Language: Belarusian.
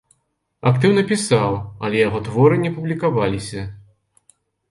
Актыўна пісаў, але яго творы не публікаваліся.